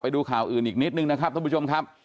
ดูข่าวอื่นอีกนิดนึงนะครับท่านผู้ชมครับ